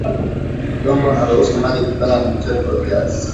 udongo unaruhusu maji kupenya ni mzuri kwa viazi